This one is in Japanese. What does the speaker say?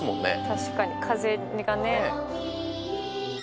「確かに風がね」